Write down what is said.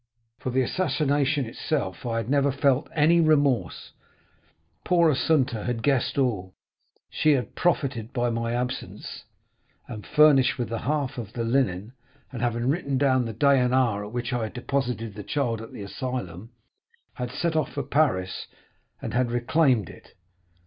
For the assassination itself I had never felt any remorse. Poor Assunta had guessed all. She had profited by my absence, and furnished with the half of the linen, and having written down the day and hour at which I had deposited the child at the asylum, had set off for Paris, and had reclaimed it.